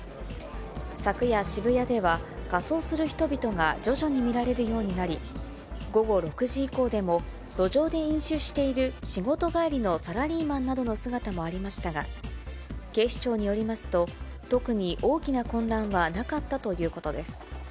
昨夜、渋谷では仮装する人々が徐々に見られるようになり、午後６時以降でも、路上で飲酒している仕事帰りのサラリーマンなどの姿もありましたが、警視庁によりますと、特に大きな混乱はなかったということです。